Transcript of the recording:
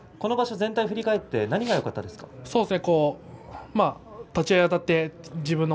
今場所は相撲を振り返って何がよかったですか？